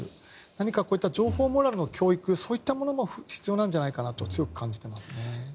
何か情報モラルの教育そういったものも必要なんじゃないかなと強く感じていますね。